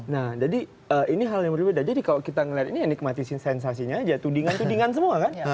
nah jadi ini hal yang berbeda jadi kalau kita ngelihat ini enikmatis sensasinya aja tudingan tudingan semua kan